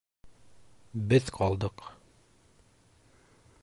Беҙ ҡалдыҡ.